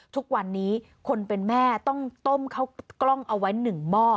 ทุกวันนี้คนเป็นแม่ต้องต้มเข้ากล้องเอาไว้๑หม้อ